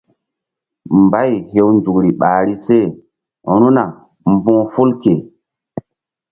Mbay hew nzukri ɓahri seru̧na mbu̧h ful ke.